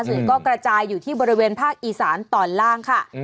ส่วนใหญ่ก็กระจายอยู่ที่บริเวณภาคอีสานต่อล่างค่ะ